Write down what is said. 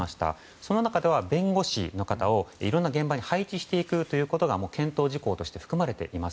その中では、弁護士の方をいろんな現場に配置していくことが検討事項として含まれています。